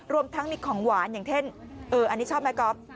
รวมทั้งมีของหวานอย่างเช่นอันนี้ชอบไหมก๊อฟ